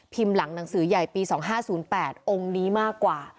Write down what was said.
หลังหนังสือใหญ่ปี๒๕๐๘องค์นี้มากกว่า